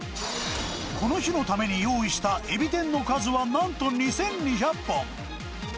この日のために用意したエビ天の数はなんと２２００本。